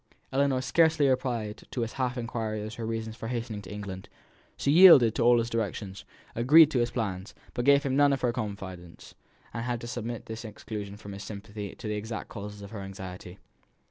Ellinor scarcely replied to his half inquiry as to her reasons for hastening to England. She yielded to all his directions, agreed to his plans, but gave him none of her confidence, and he had to submit to this exclusion from sympathy in the exact causes of her anxiety.